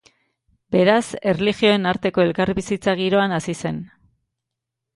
Beraz, erlijioen arteko elkarbizitza giroan hazi zen.